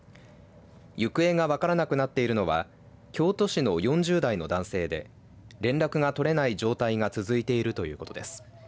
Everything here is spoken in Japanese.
行方が分からなくなっているのは京都市の４０代の男性で連絡が取れない状態が続いているということです。